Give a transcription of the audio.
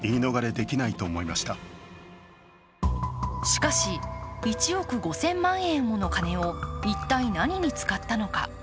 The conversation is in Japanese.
しかし、１億５０００万円もの金を一体何に使ったのか。